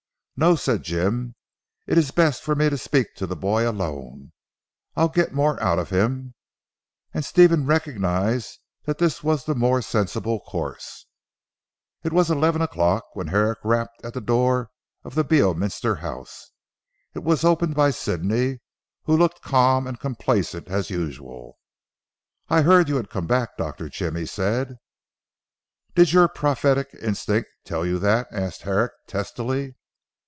"No," said Jim, "it is best for me to speak to the boy alone, I'll get more out of him." And Stephen recognised that this was the more sensible course. It was eleven o'clock when Herrick rapped at the door of the Beorminster house. It was opened by Sidney, who looked calm and complacent as usual. "I heard you had come back Dr. Jim," he said. "Did your prophetic instinct tell you that?" asked Herrick testily.